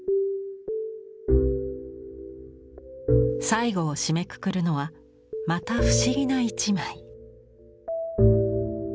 最後を締めくくるのはまた不思議な一枚。